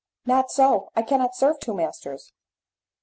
"Not so; I cannot serve two masters."